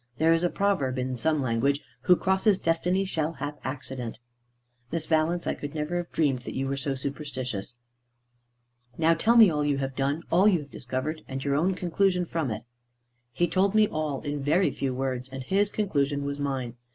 There is a proverb in some language, 'Who crosses destiny shall have accident.'" "Miss Valence, I could never have dreamed that you were so superstitious." "Now tell me all you have done, all you have discovered, and your own conclusion from it." He told me all in a very few words, and his conclusion was mine.